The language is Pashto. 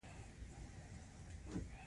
لرګي هم د سون توکي دي